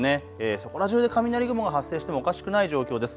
そこら中で雷雲が発生してもおかしくない状況です。